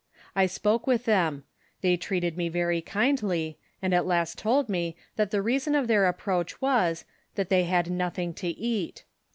I spoke with them ; they treated me very kindl}', and at last told me, that the reason of their approach was, that they had nothing to eat.